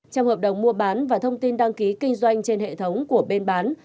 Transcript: trong hợp đồng mua bán và thông tin đăng ký kinh doanh trên hệ thống của bên bán